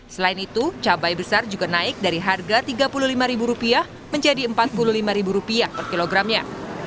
selain itu cabai besar juga naik dari harga rp tiga puluh lima menjadi rp empat puluh lima per kilogramnya